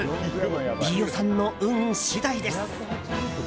飯尾さんの運次第です。